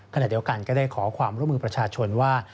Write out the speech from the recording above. ขณะเดียวกันก็ได้ขอความร่วมมือประชาชนว่า